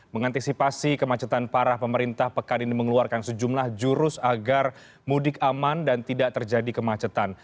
mengantisipasi kemacetan parah pemerintah pekan ini mengeluarkan sejumlah jurus agar mudik aman dan tidak terjadi kemacetan